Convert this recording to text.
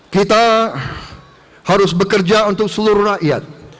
kita harus bekerja untuk seluruh rakyat